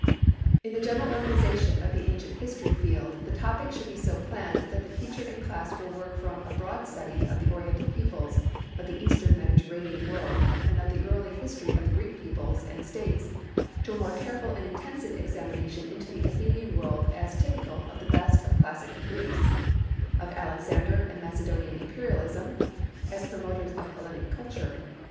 In the general organization of the Ancient History field the topics should be so planned that the teacher and class will work from a broad study of the Oriental peoples of the eastern Mediterranean world and of the early history of the Greek peoples and States to a more careful and intensive examination into the Athenian world as typical of the best of classic Greece, of Alexander and Macedonian imperialism, as promoters of Hellenic culture.